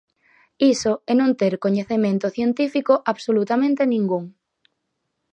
Iso, é non ter coñecemento científico absolutamente ningún.